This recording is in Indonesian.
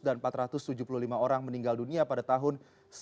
dan empat ratus tujuh puluh lima orang meninggal dunia pada tahun